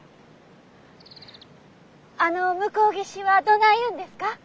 あの向こう岸はどないいうんですか？